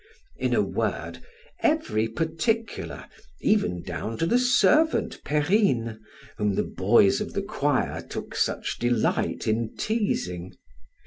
In a word, every particular, even down to the servant Perrine, whom the boys of the choir took such delight in teasing.